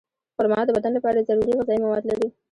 خرما د بدن لپاره ضروري غذایي مواد لري.